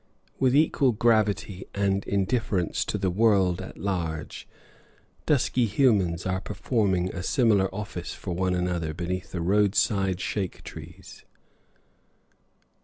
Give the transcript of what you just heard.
With equal gravity and indifference to the world at large, dusky humans are performing a similar office for one another beneath the roadside shade trees.